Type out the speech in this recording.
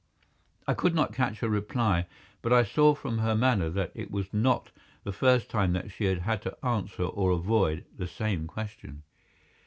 I could not catch her reply, but I saw from her manner that it was not the first time that she had had to answer or avoid the same question.